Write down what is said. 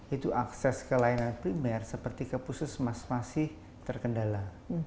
itu akses ke layanan primer seperti ke pusat semestinya terkendala